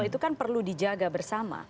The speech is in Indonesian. itu kan perlu dijaga bersama